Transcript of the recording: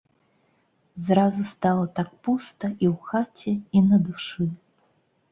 Зразу стала так пуста і ў хаце, і на душы.